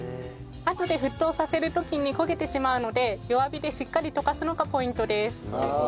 あとで沸騰させる時に焦げてしまうので弱火でしっかり溶かすのがポイントです。